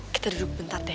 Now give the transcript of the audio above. kita duduk bentar deh